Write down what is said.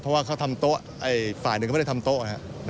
เพราะว่าเขาทำโต๊ะฝ่ายหนึ่งก็ไม่ได้ทำโต๊ะ